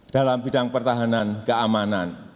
dalam bidang pertahanan keamanan